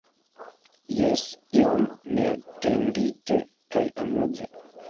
Jes, iom neatendite kaj amuze.